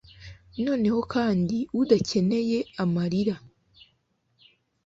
noneho, kandi udakeneye amarira